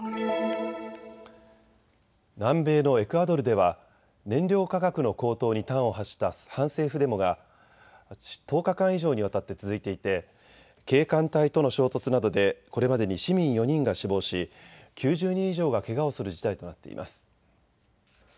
南米のエクアドルでは燃料価格の高騰に端を発した反政府デモが１０日間以上にわたって続いていて警官隊との衝突などでこれまでに市民４人が死亡し９０人以上がけがをする事態となっています。